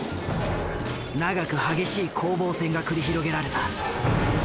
長く激しい攻防戦が繰り広げられた。